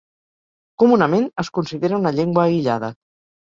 Comunament es considera una llengua aïllada.